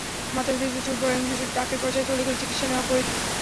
মাত্রাতিরিক্ত চুল পড়লে এবং বিষয়টি টাকের পর্যায়ে চলে গেলে চিকিৎসা নেওয়া প্রয়োজন।